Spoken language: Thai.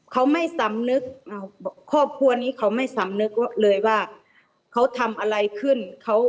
เขาไม่สำนึกครอบครัวนี้เขาไม่สำนึกเลยว่าเขาทำอะไรขึ้น